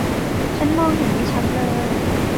ฉันมองเห็นไม่ชัดเลย